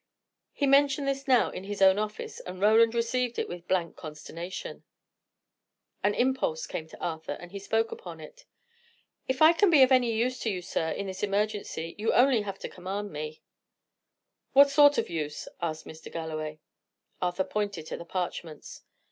He mentioned this now in his own office, and Roland received it with blank consternation. An impulse came to Arthur, and he spoke upon it. "If I can be of any use to you, sir, in this emergency, you have only to command me." "What sort of use?" asked Mr. Galloway. Arthur pointed to the parchments.